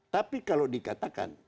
tapi kalau dikatakan